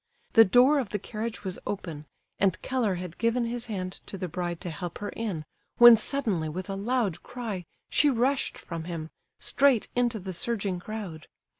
The door of the carriage was open, and Keller had given his hand to the bride to help her in, when suddenly with a loud cry she rushed from him, straight into the surging crowd.